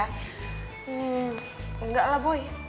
hmm enggak lah boy